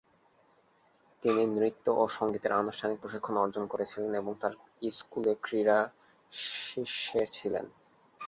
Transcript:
তিনি নৃত্য ও সংগীতের আনুষ্ঠানিক প্রশিক্ষণ অর্জন করেছিলেন এবং তাঁর স্কুলে ক্রীড়া শীর্ষে ছিলেন।